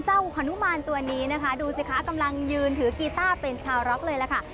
ฮานุมานตัวนี้นะคะดูสิคะกำลังยืนถือกีต้าเป็นชาวร็อกเลยล่ะค่ะ